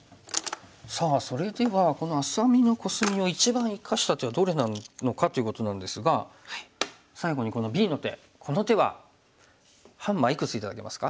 さあそれではこの愛咲美のコスミを一番生かした手はどれなのかということなんですが最後にこのＢの手この手はハンマーいくつ頂けますか？